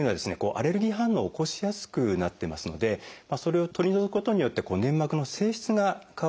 アレルギー反応を起こしやすくなってますのでそれを取り除くことによって粘膜の性質が変わってですね